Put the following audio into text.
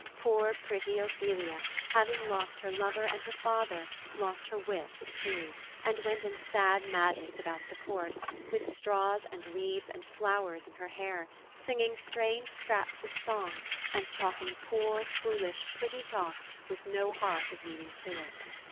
Poor pretty Ophelia, having lost her lover and her father, lost her wits too, and went in sad madness about the Court, with straws, and weeds, and flowers in her hair, singing strange scraps of song, and talking poor, foolish, pretty talk with no heart of meaning to it.